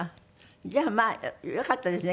じゃあまあよかったですね